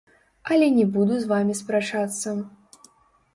Але не буду з вамі спрачацца.